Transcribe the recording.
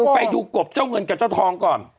ไปดูกบเจ้าเงินกับเจ้าทองก่อน